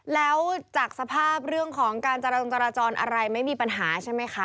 แล้วจากสภาพเรื่องของการจรงจราจรอะไรไม่มีปัญหาใช่ไหมคะ